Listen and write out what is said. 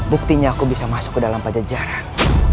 buktinya aku bisa masuk ke dalam pajajaran